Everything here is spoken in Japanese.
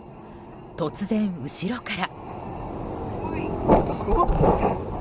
突然、後ろから。